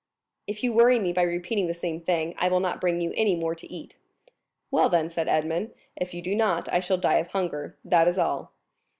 "If you worry me by repeating the same thing, I will not bring you any more to eat." "Well, then," said Edmond, "if you do not, I shall die of hunger—that is all."